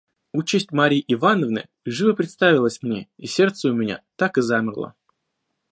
Участь Марьи Ивановны живо представилась мне, и сердце у меня так и замерло.